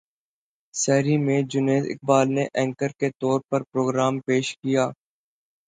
سحری میں جنید اقبال نے اینکر کے طور پر پروگرام پیش کیا